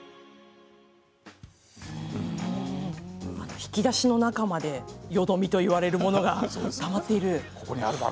引き出しの中までよどみと呼ばれるものがたまっている。